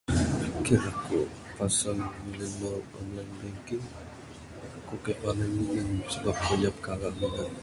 Pikir aku pasal minan online banking ku kaik puan anih anih sebab ku nyap kala minan.